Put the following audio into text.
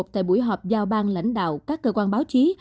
tại buổi họp giao bang lãnh đạo các cơ quan báo chí